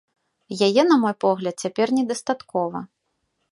Яе, на мой погляд, цяпер недастаткова.